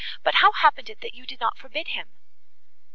But how happened it that you did not forbid him?"